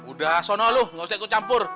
udah sono lu gak usah ikut campur